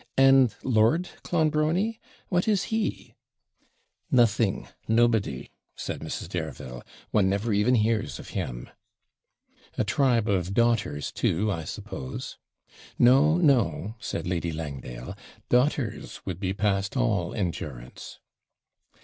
'And Lord Clonbrony, what is he?' 'Nothing, nobody,' said Mrs. Dareville; 'one never even hears of him.' 'A tribe of daughters, too, I suppose?' 'No, no,' said Lady Langdale, 'daughters would be past all endurance.'